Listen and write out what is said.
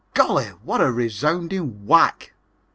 Golly, what a resounding whack!